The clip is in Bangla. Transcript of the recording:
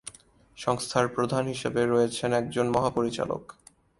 সংস্থার প্রধান হিসেবে রয়েছেন একজন মহা-পরিচালক।